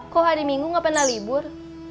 kok hari minggu gak pernah libur